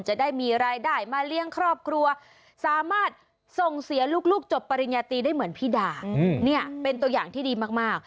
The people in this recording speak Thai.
จะได้มีรายได้มาเลี้ยงครอบครัวสามารถส่งเสียลูกจบปริญญาตรีได้เหมือนพี่ดาเนี่ยเป็นตัวอย่างที่ดีมาก